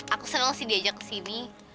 aku senang sih diajak ke sini